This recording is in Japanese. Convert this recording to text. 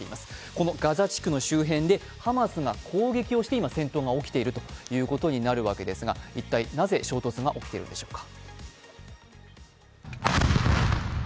このガザ地区の周辺でハマスが攻撃をして戦闘が起きているということなんですが一体、なぜ衝突が起きているんでしょうか。